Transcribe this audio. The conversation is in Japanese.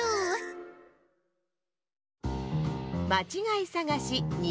まちがいさがし２